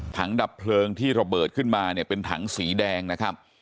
ดับเพลิงที่ระเบิดขึ้นมาเนี่ยเป็นถังสีแดงนะครับ